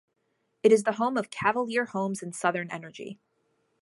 It is the home of Cavalier Homes and Southern Energy.